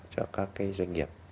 một cái nghiệp